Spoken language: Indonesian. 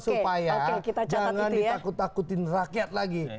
supaya jangan ditakut takutin rakyat lagi